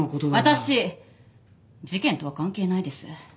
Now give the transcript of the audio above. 私事件とは関係ないです。